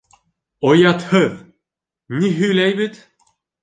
— Оятһыҙ, ни һөйләй бит.